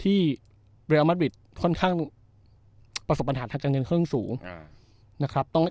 ที่เรียลมาดริสค่อนข้างประสบปัญหาทางการเงินเครื่องสูง